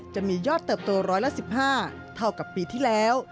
จะมียอดเติบโต๑๑๕ล้านบาทเท่ากับปีที่แล้ว